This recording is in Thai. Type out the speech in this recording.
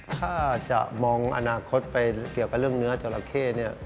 ถ้าจะมองอนาคตไปเกี่ยวกับเรื่องเนื้อจราเข้เนี่ย